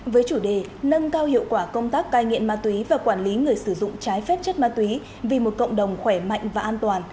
với chủ đề nâng cao hiệu quả công tác cai nghiện ma túy và quản lý người sử dụng trái phép chất ma túy vì một cộng đồng khỏe mạnh và an toàn